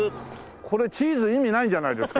これ「チーズ」意味ないんじゃないですか？